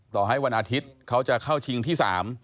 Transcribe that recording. ต่อให้วันอาทิตย์เขาจะเข้าชิงที่๓